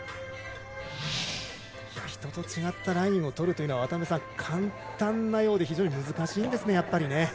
人と違ったラインを取るというのは渡辺さん、簡単なようで非常に難しいんですね。